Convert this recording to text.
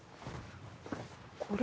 これ。